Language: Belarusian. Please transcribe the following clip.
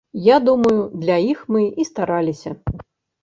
Я думаю, для іх мы і стараліся.